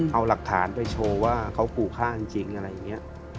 เอาหลักฐานไปโชว์ว่าเขาขู่ฆ่าจริงอะไรอย่างนี้